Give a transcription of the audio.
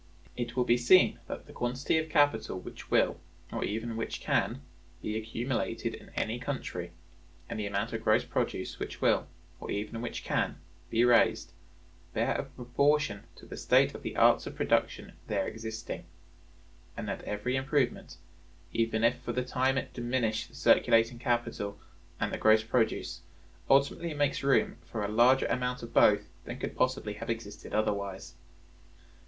It will be seen that the quantity of capital which will, or even which can, be accumulated in any country, and the amount of gross produce which will, or even which can, be raised, bear a proportion to the state of the arts of production there existing; and that every improvement, even if for the time it diminish the circulating capital and the gross produce, ultimately makes room for a larger amount of both than could possibly have existed otherwise.